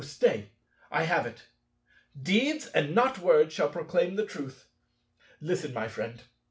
Stay, I have it. Deeds, and not words, shall proclaim the truth. Listen, my friend.